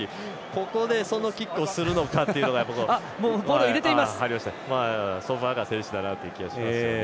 ここで、そのキックをするのかっていうのがソポアンガ選手だなという感じがしますね。